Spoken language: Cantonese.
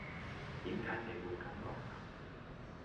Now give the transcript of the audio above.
點解你會咁覺得